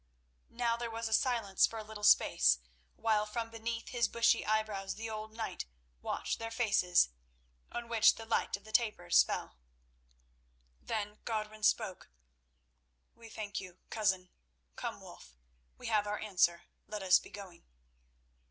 Now there was silence for a little space, while from beneath his bushy eyebrows the old knight watched their faces, on which the light of the tapers fell. Then Godwin spoke: "We thank you, Cousin. Come, Wulf, we have our answer; let us be going."